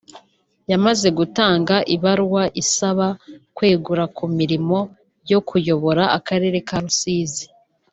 yamaze gutanga ibaruwa isaba kwegura ku mirimo yo kuyobora akarere ka Rusizi